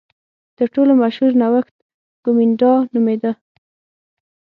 تر ټولو مشهور نوښت کومېنډا نومېده.